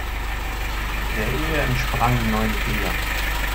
Der Ehe entsprangen neun Kinder.